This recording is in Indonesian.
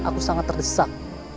aku sangat terdesak